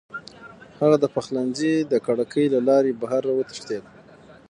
هغه د پخلنځي د کړکۍ له لارې بهر وتښتېد.